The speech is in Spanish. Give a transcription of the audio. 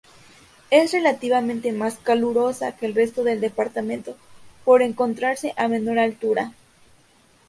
Es relativamente más calurosa que el resto del departamento por encontrarse a menor altura.